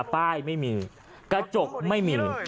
ป้ายไม่มีกระจกไม่มี